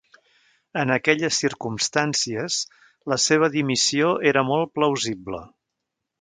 En aquelles circumstàncies, la seva dimissió era molt plausible.